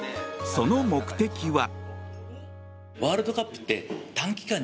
その目的は。